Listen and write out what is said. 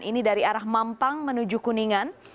ini dari arah mampang menuju kuningan